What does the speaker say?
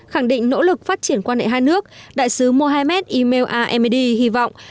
khẳng định nỗ lực phát triển quan hệ hai nước đại sứ mohammed imel a medi hy vọng